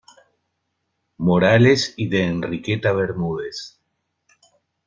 Morales y de Enriqueta Bermúdez.